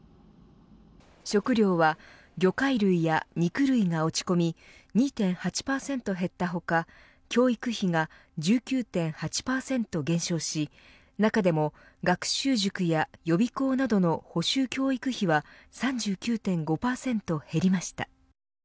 食料は魚介類や肉類が落ち込み２．８％減った他教育費が１９．８％減少し中でも、学習塾や予備校などの補習教育費は３９．５％減りました。